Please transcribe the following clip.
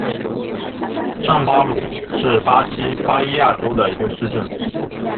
上巴鲁是巴西巴伊亚州的一个市镇。